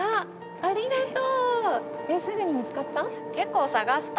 ありがとう。